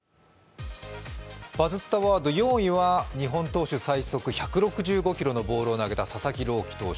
バズったワード４位は、日本最速１６５キロのボールを投げた佐々木朗希投手。